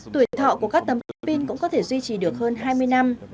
tuổi thọ của các tấm pin cũng có thể duy trì được hơn hai mươi năm